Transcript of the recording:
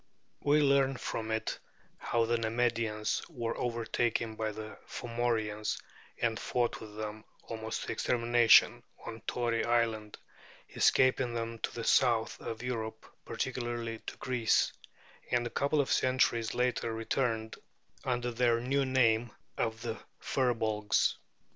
We learn from it how the Nemedians were overtaken by the Fomorians and fought with them, almost to extermination, on Tory Island, escaping then to the south of Europe, particularly to Greece; and a couple of centuries later returned, under their new name of the Firbolgs.